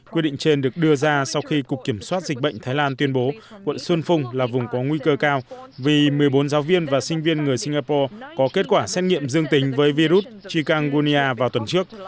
quyết định trên được đưa ra sau khi cục kiểm soát dịch bệnh thái lan tuyên bố quận xuân phung là vùng có nguy cơ cao vì một mươi bốn giáo viên và sinh viên người singapore có kết quả xét nghiệm dương tính với virus chikangunia vào tuần trước